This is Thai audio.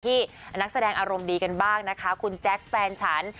ที่นักแสดงอารมณ์ดีกันบ้างนะคะคุณแจ๊คแฟนฉัน